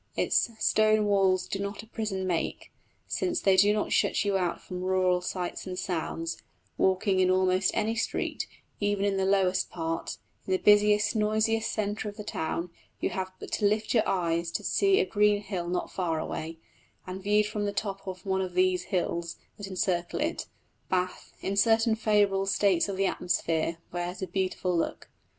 Its "stone walls do not a prison make," since they do not shut you out from rural sights and sounds: walking in almost any street, even in the lowest part, in the busiest, noisiest centre of the town, you have but to lift your eyes to see a green hill not far away; and viewed from the top of one of these hills that encircle it, Bath, in certain favourable states of the atmosphere, wears a beautiful look.